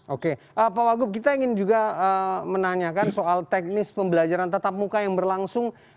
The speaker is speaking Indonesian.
oke pak wagub kita ingin juga menanyakan soal teknis pembelajaran tatap muka yang berlangsung